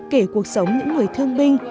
kể cuộc sống những người thương binh